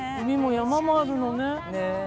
海も山もあるのね。